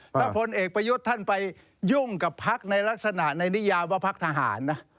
ถ้าพลเอกประยุทธ์ท่านไปยุ่งกับพักในลักษณะในนิยามว่าพักทหารนะ